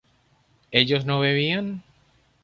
¿ellos no bebían?